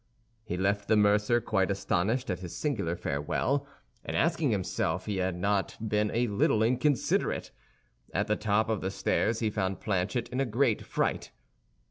He left the mercer quite astonished at his singular farewell, and asking himself if he had not been a little inconsiderate. At the top of the stairs he found Planchet in a great fright.